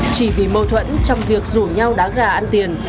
chỉ vì mâu thuẫn trong việc rủ nhau đá gà ăn tiền